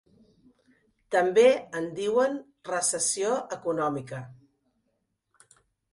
També en diuen recessió econòmica.